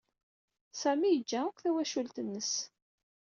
Sami yeǧǧa akk tawacult-nnes.